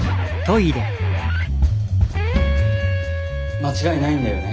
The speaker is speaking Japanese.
間違いないんだよね？